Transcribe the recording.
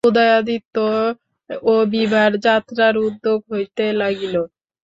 উদয়াদিত্য ও বিভার যাত্রার উদ্যোগ হইতে লাগিল।